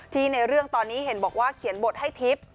ในเรื่องตอนนี้เห็นบอกว่าเขียนบทให้ทิพย์